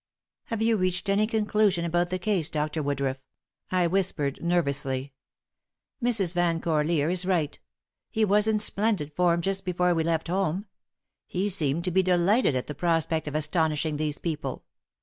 "Have you reached any conclusion about the case, Dr. Woodruff?" I whispered, nervously. "Mrs. Van Corlear is right. He was in splendid form just before we left home. He seemed to be delighted at the prospect of astonishing these people.